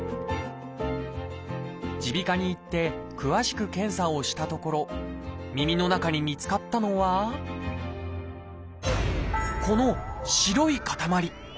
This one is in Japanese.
耳鼻科に行って詳しく検査をしたところ耳の中に見つかったのはこの白い塊。